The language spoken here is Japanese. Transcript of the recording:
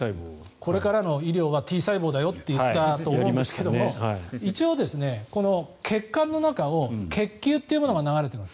これからの医療はＴ細胞だよって言ったと思うんですが血管の中を血球というものが流れています。